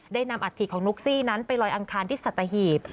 นำอัฐิของนุ๊กซี่นั้นไปลอยอังคารที่สัตหีบ